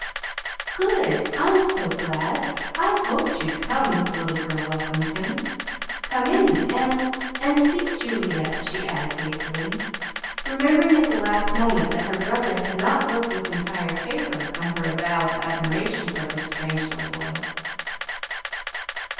"Good! I'm so glad! I hoped you'd come," the little girl welcomed him. "Come in and and see Juliette," she added hastily, remembering at the last moment that her brother had not looked with entire favor on her avowed admiration for this strange little boy.